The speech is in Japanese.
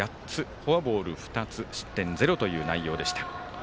フォアボール２つ失点ゼロという内容でした。